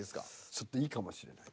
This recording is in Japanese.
ちょっといいかもしれない。